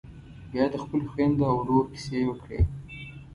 بيا یې د خپلو خويندو او ورور کيسې وکړې.